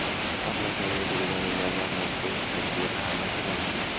আপনারা কেবল এটুকু জানেন যে, আমরা আপনাদের দেশের সাইটগুলোতে হামলা চালাচ্ছি।